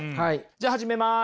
じゃあ始めます。